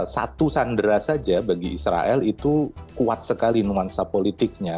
satu sandera saja bagi israel itu kuat sekali nuansa politiknya